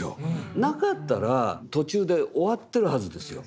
なかったら途中で終わってるはずですよ。